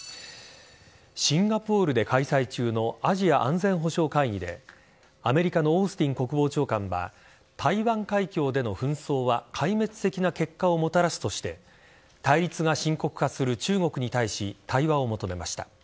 シンガポールで開催中のアジア安全保障会議でアメリカのオースティン国防長官は台湾海峡での紛争は壊滅的な結果をもたらすとして対立が深刻化する中国に対し対話を求めました。